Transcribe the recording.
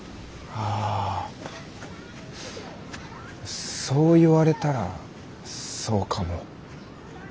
あそう言われたらそうかも。